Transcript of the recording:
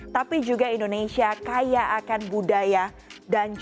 tapi juga indonesia kaya akan budaya dan juga teknologi